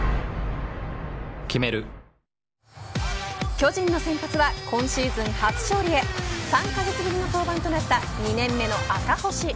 巨人の先発は今シーズン初勝利へ３カ月ぶりの登板となった２年目の赤星。